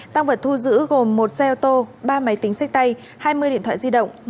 tăng vật thu giữ gồm một xe ô tô ba máy tính sách tay hai mươi điện thoại di động